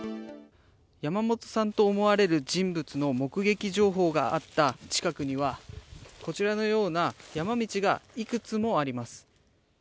山本さんと思われる人物の目撃情報があった近くにはこちらのような山道がいくつもあります。